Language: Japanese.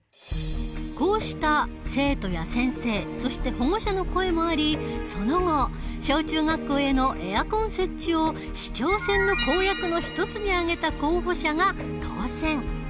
こうした生徒や先生そして保護者の声もありその後小中学校へのエアコン設置を市長選の公約の一つに挙げた候補者が当選。